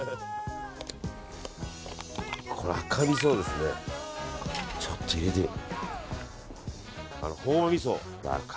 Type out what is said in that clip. この赤みそをですねちょっと入れてみて。